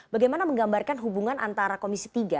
bagaimana menggambarkan hubungan antara komisi tiga